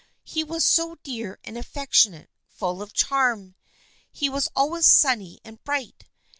" He was so dear and affectionate, so full of charm. He was always sunny and bright.